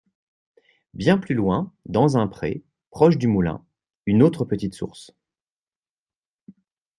Bien plus loin, dans un pré, proche du Moulin, une autre petite source.